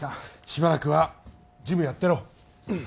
しばらくは事務やってろ。